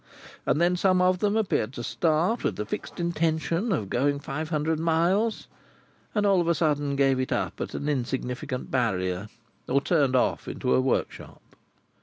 And then some of them appeared to start with the fixed intention of going five hundred miles, and all of a sudden gave it up at an insignificant barrier, or turned off into a workshop.